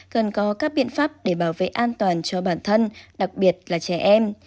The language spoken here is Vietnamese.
cần có các biện pháp để bảo vệ an toàn cho bản thân đặc biệt là trẻ em